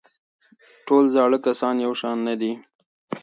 ټول زاړه کسان یو شان نه دي.